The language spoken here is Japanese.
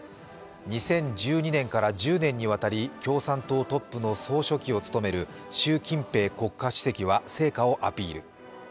２０１２年から１０年にわたり共産党トップの総書記を務める習近平国家主席は成果をアピール。